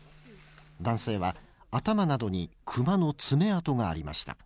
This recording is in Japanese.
男性は、頭などにクマの爪痕がありました。